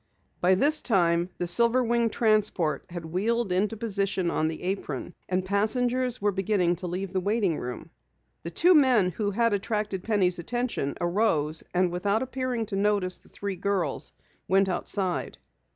By this time the silver winged transport had wheeled into position on the apron, and passengers were beginning to leave the waiting room. The two men who had attracted Penny's attention, arose and without appearing to notice the three girls, went outside.